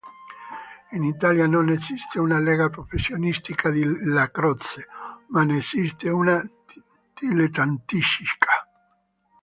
In Italia non esiste una lega professionistica di lacrosse ma ne esiste una dilettantistica.